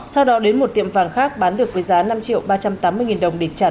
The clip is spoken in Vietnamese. sau đó đến một tiệm vàng khác bán được với giá năm triệu ba trăm tám mươi nghìn đồng để trả nợ và tiêu giải